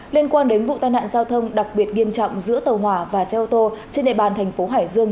liên quan đến vụ tai nạn giao thông đặc biệt nghiêm trọng giữa tàu hỏa và xe ô tô trên đề bàn thành phố hải dương